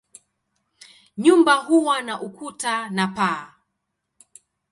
Nyumba huwa na ukuta na paa.